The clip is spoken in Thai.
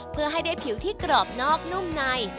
เพื่อให้ได้ผิวที่กรอบนอกนุ่มใน